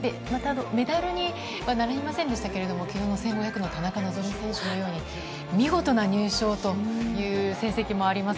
メダルにはなりませんでしたが、１５００の田中希実選手のように見事な入賞という成績もあります。